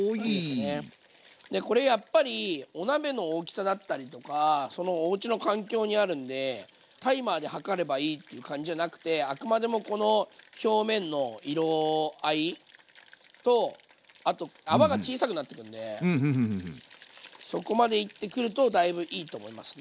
これやっぱりお鍋の大きさだったりとかそのおうちの環境にあるんでタイマーで計ればいいっていう感じじゃなくてあくまでもこの表面の色合いとあと泡が小さくなってくるのでそこまでいってくるとだいぶいいと思いますね。